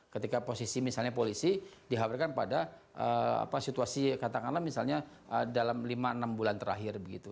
ketika posisi misalnya polisi dihabirkan pada situasi katakanlah misalnya dalam lima enam bulan terakhir